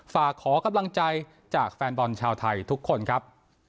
ฝากขอกำลังใจจากแฟนบอลชาวไทยทุกคนครับ